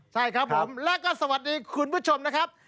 ใช่ครับผมและก็สวัสดีคุณผู้ชมนะครับ